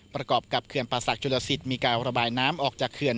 ประกอบกับเขื่อนป่าศักดิจุลสิตมีการระบายน้ำออกจากเขื่อน